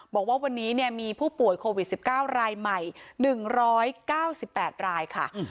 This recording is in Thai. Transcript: บอกว่าวันนี้มีผู้ป่วยโควิด๑๙รายใหม่๑๙๘รายค่ะ